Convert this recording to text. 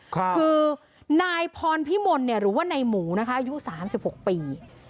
คือนายพรพิมลหรือว่านายหมูนะคะอายุ๓๖ปี